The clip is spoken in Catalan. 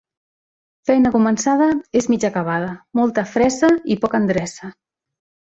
Feina començada és mig acabada Molta fressa i poca endreça.